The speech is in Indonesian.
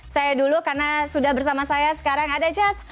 saya dulu karena sudah bersama saya sekarang ada jazz